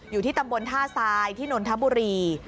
อยู่ที่ตำบลท่าทรายที่นนทบุรี